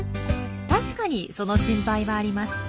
確かにその心配はあります。